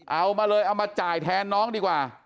เอามาเลยเอามาจ่ายแทนน้องดีกว่า